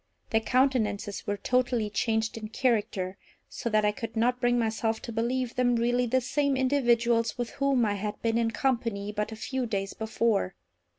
Their countenances were totally changed in character, so that I could not bring myself to believe them really the same individuals with whom I had been in company but a few days before.